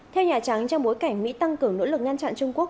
theo nhà trắng trong bối cảnh mỹ tăng cường nỗ lực ngăn chặn trung quốc